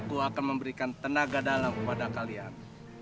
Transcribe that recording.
aku akan memberikan tenaga dalam kepada kalian